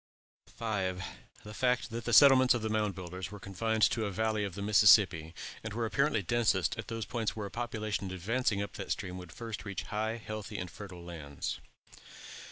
5. The fact that the settlements of the Mound Builders were confined to the valley of the Mississippi, and were apparently densest at those points where a population advancing up that, stream would first reach high, healthy, and fertile lands.